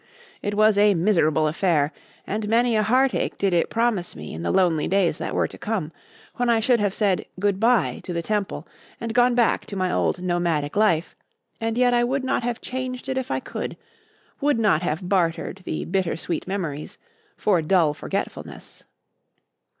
It was a miserable affair, and many a heartache did it promise me in the lonely days that were to come, when I should have said "good bye" to the Temple and gone back to my old nomadic life; and yet I would not have had it changed if I could; would not have bartered the bitter sweet memories for dull forgetfulness.